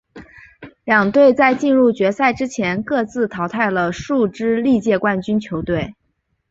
两队在进入决赛之前各自淘汰了数支历届冠军球队。